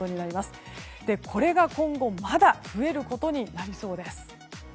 これが今後まだ増えることになりそうです。